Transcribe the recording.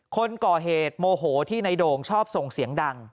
คนก่อเหตุโมโหที่ในโด่งชอบส่งเสียงดัง